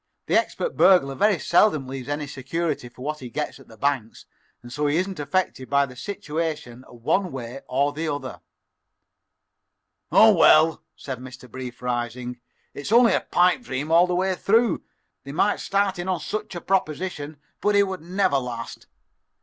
The expert burglar very seldom leaves any security for what he gets at the banks, and so he isn't affected by the situation one way or the other." "Oh, well," said Mr. Brief, rising, "it's only a pipe dream all the way through. They might start in on such a proposition, but it would never last.